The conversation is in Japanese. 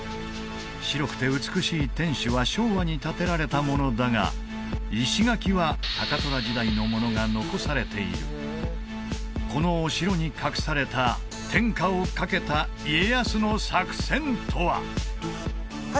白くて美しい天守は昭和に建てられたものだが石垣は高虎時代のものが残されているこのお城に隠された天下をかけた家康の作戦とは？